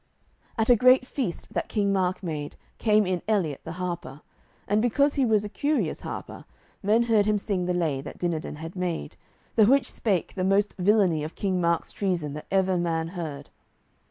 At a great feast that King Mark made came in Eliot the harper, and because he was a curious harper, men heard him sing the lay that Dinadan had made, the which spake the most villainy of King Mark's treason that ever man heard.